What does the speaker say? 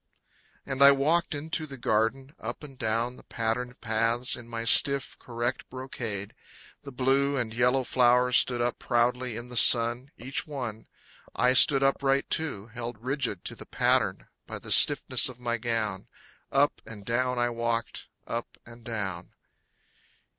And I walked into the garden, Up and down the patterned paths, In my stiff, correct brocade. The blue and yellow flowers stood up proudly in the sun, Each one. I stood upright too, Held rigid to the pattern By the stiffness of my gown. Up and down I walked, Up and down.